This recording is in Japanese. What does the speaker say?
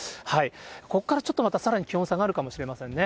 ここからちょっとまたさらに気温下がるかもしれませんね。